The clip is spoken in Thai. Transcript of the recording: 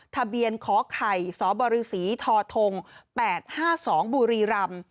ทะเบียนขอไข่สบศท๘๕๒บุรีรำ